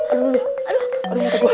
aduh mata gue